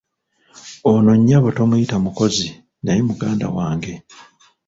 Ono nnyabo tomuyita mukozi , naye muganda wange.